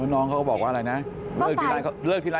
น้องเขาก็บอกว่าอะไรนะ